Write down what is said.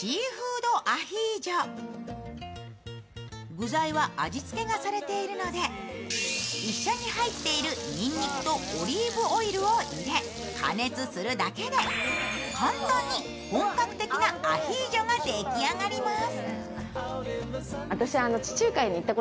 具材は味付けがされているので、一緒に入っているにんにくとオリーブオイルを入れ加熱するだけで簡単に本格的なアヒージョができ上がります。